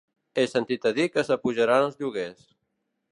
He sentit a dir que s'apujaran els lloguers.